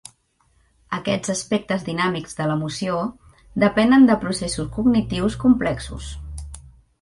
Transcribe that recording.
Aquests aspectes dinàmics de l'emoció depenen de processos cognitius complexos.